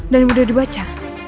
dan udah dibaca